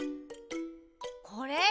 これ？